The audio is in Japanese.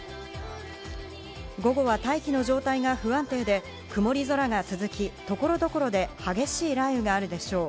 午後は大気の状態が不安定で曇り空が続き、所々で激しい雷雨があるでしょう。